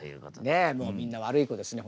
ねえもうみんな悪い子ですね